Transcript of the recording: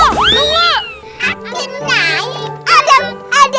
ah ngeliat aja sih go